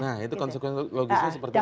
nah itu konsekuensi logisnya seperti apa